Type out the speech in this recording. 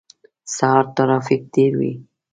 سهار ترافیک ډیر وی